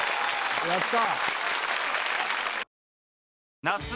やった！